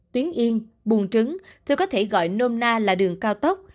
tuyến yên buồn trứng thường có thể gọi nôm na là đường cao tốc